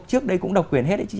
trước đây cũng độc quyền hết